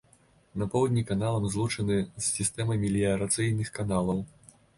На поўдні каналам злучаны з сістэмай меліярацыйных каналаў.